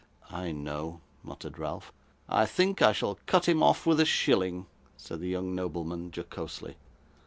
'I know,' muttered Ralph. 'I think I shall cut him off with a shilling,' said the young nobleman, jocosely.